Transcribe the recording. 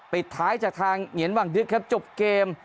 ปิดท้ายจากทางเหงียนหวังดึกครับจบเกม